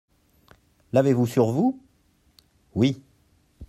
L'avez-vous sur vous ? Oui.